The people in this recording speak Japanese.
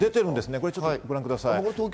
こちらをご覧ください。